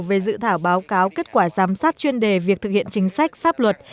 về dự thảo báo cáo kết quả giám sát chuyên đề việc thực hiện chính sách pháp luật